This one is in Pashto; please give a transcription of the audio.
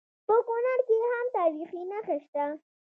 په کونړ کې هم تاریخي نښې شته